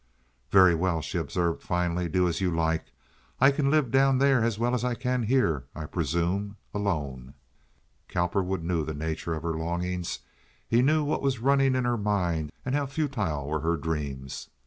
"Very well," she observed, finally. "Do as you like. I can live down there as well as I can here, I presume—alone." Cowperwood knew the nature of her longings. He knew what was running in her mind, and how futile were her dreams.